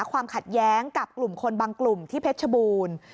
ความขัดแย้งกับกลุ่มคนบางกลุ่มที่เพชรชบูรณ์